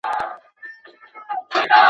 زه پرون سپينکۍ پرېولم وم،